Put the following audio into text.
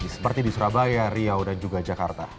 seperti di surabaya riau dan juga jakarta